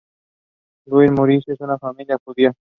Louis, Misuri, en una familia judía.